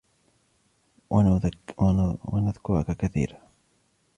ونذكرك كثيرا